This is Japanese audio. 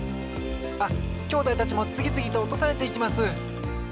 あっきょうだいたちもつぎつぎとおとされていきます！